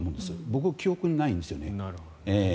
僕、記憶にないんですよね。